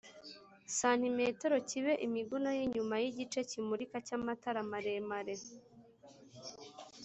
Santimetero kibe imiguno y inyuma y igice kimurika cy amatara maremare